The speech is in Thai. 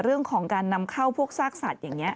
เรื่องของการนำเข้าพวกซากสัตว์อย่างนี้